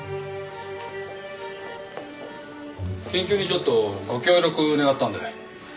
研究にちょっとご協力願ったんで。